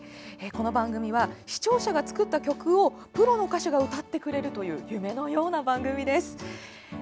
この番組は視聴者が作った曲をプロの歌手が歌ってくれるという夢のような番組です。